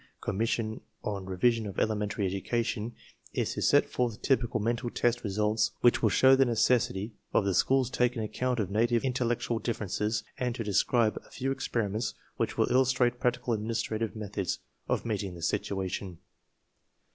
Com mission on Revision of Elementary Education, is to set forth typical mental test results which will show the necessity of the school's taking account of native intel lectual differences and to describe a few experiments which will illustrate practical administrative methods of meeting the situation.